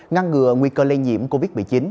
ngăn ngừa nguy cơ lây nhiễm covid một mươi chín